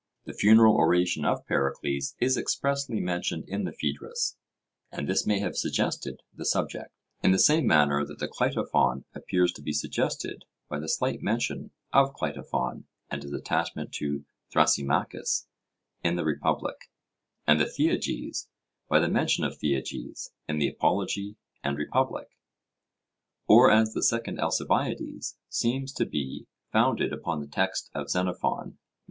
The funeral oration of Pericles is expressly mentioned in the Phaedrus, and this may have suggested the subject, in the same manner that the Cleitophon appears to be suggested by the slight mention of Cleitophon and his attachment to Thrasymachus in the Republic; and the Theages by the mention of Theages in the Apology and Republic; or as the Second Alcibiades seems to be founded upon the text of Xenophon, Mem.